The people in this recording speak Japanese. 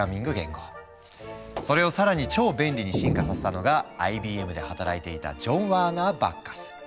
それを更に超便利に進化させたのがＩＢＭで働いていたジョン・ワーナー・バッカス。